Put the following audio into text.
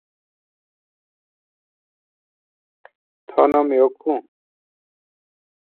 لِیموٹے لولی موٹی سم بِیں۔